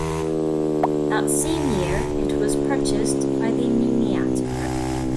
That same year it was purchased by the Eminata Group.